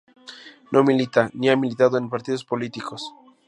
No milita, ni ha militado en partidos políticos.